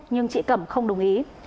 nhưng chị cẩm không đồng ý